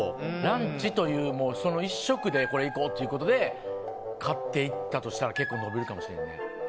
ランチという、その１食でこれいこうってことで買っていったとしたら結構伸びるかもしれんね。